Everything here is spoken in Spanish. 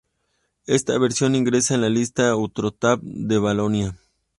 Esta versión ingresó en la lista Ultratop de Valonia.